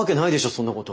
そんなこと。